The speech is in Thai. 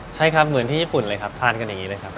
ใช่ครับเหมือนที่ญี่ปุ่นเลยครับทานกันอย่างนี้เลยครับ